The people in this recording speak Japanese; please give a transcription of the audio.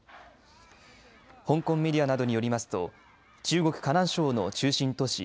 香港メディアなどによりますと中国・河南省の中心都市